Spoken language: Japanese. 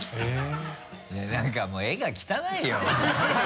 いや何かもう絵が汚いよ。